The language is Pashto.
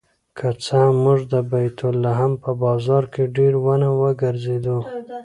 که څه هم موږ د بیت لحم په بازار کې ډېر ونه ګرځېدو.